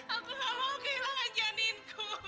aku gak mau kehilangan janinku